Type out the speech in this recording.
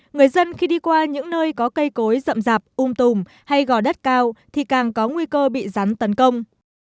người dân khi đi qua những nơi có cây cối rậm rạp ung tùm hay gò đất cao thì càng có nguy cơ bị rắn tấn công